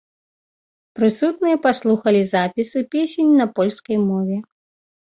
Прысутныя паслухалі запісы песень на польскай мове.